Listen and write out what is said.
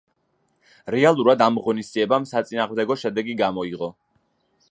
რეალურად ამ ღონისძიებამ საწინააღმდეგო შედეგი გამოიღო.